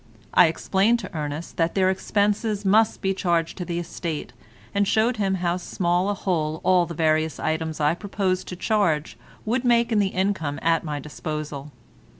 I explained to Ernest that their expenses must be charged to the estate, and showed him how small a hole all the various items I proposed to charge would make in the income at my disposal.